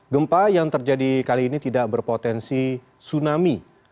gempa yang terjadi kali ini tidak berpotensi tsunami